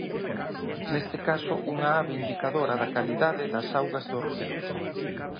Neste caso unha ave indicadora da calidade das augas dos ríos.